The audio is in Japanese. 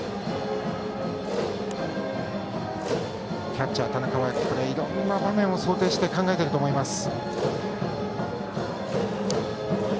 キャッチャーの田中はいろんな場面を想定して考えていると思います。